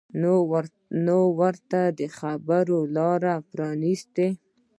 نه ورته د خبرو لاره پرانیستې